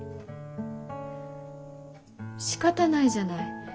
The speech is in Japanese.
しかたないじゃない。